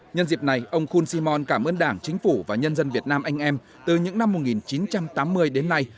nhân dịp này ông khun simon cảm ơn đảng chính phủ và nhân dân việt nam anh em từ những năm một nghìn chín trăm tám mươi đến nay